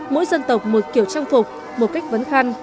mỗi dân tộc một kiểu trang phục một cách vấn khăn